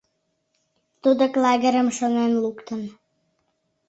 — Тудак лагерьым шонен луктын.